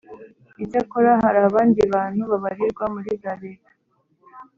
Icyakora hari abandi bantu babarirwa muri za leta